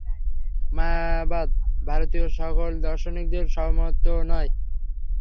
মায়াবাদ ভারতীয় সকল দার্শনিকের সম্মত নয়।